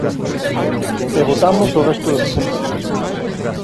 E votamos o resto dos puntos.